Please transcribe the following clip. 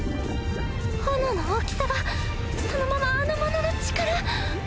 炎の大きさがそのままあの者の力。